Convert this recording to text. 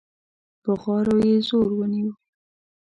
بغارو يې زور ونيو.